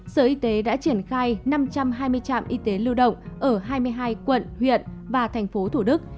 sở y tế đã triển khai năm trăm hai mươi trạm y tế lưu động ở hai mươi hai quận huyện và thành phố thủ đức